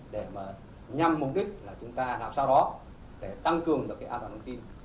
để nhằm mục đích là chúng ta làm sao đó để tăng cường được an toàn thông tin